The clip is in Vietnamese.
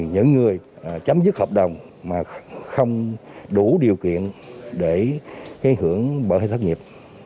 những người chấm dứt hợp đồng mà không đủ điều kiện để hưởng bởi thất nghiệp